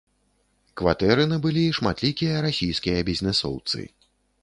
Кватэры набылі шматлікія расійскія бізнэсоўцы.